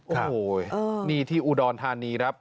โอ้โหนี่ที่อุดรธานีครับ